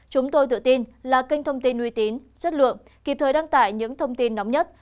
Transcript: chúng tôi tự tin là kênh thông tin uy tín chất lượng kịp thời đăng tải những thông tin nóng nhất